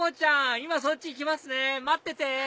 今そっち行きますね待ってて！